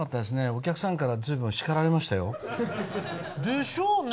お客さんから随分叱られましたよ。でしょうね。